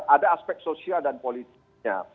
ada aspek sosial dan politiknya